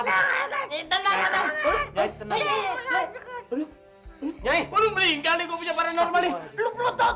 boleh kembali dalam hal tersebut